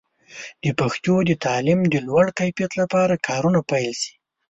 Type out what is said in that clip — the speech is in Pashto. د پښتو د تعلیم د لوړ کیفیت لپاره کارونه پیل شي.